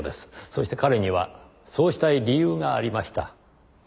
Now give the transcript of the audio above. そして彼にはそうしたい理由がありました。